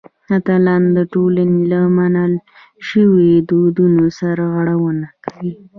اتلان د ټولنې له منل شویو دودونو سرغړونه کوي.